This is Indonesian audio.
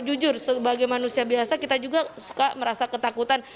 jujur sebagai manusia biasa kita juga suka merasa ketakutan